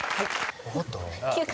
分かった？